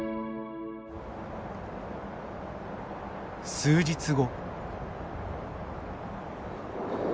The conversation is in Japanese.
数日後。